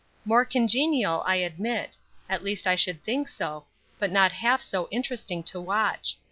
"More congenial, I admit; at least I should think so; but not half so interesting to watch.